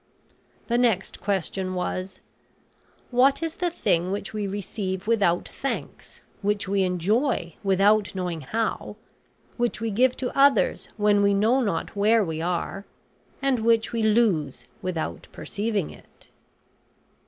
The next question was: "What is the thing which we receive without thanks, which we enjoy without knowing how, which we give to others when we know not where we are, and which we lose without perceiving it?"